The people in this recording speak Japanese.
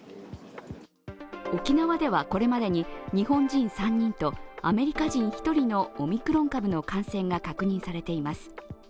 沖縄ではこれまでに日本人３人とアメリカ人１人のオミクロン株の感染が確認されています。